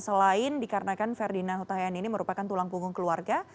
selain dikarenakan ferdinand hutahian ini merupakan tulang punggung keluarga